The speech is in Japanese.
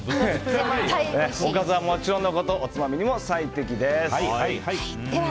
おかずはもちろんのことおつまみにも最適です。